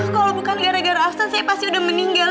kalau bukan gara gara ahsan saya pasti udah meninggal